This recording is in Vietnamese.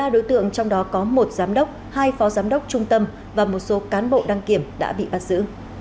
ba đối tượng trong đó có một giám đốc hai phó giám đốc trung tâm và một số cán bộ đăng kiểm đã bị bắt giữ